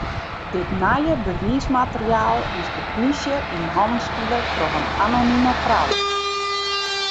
Dit nije bewiismateriaal is de plysje yn hannen spile troch in anonime frou.